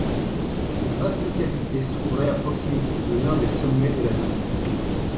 La vaste cavité s'ouvrait à proximité de l'un des sommets de la dune.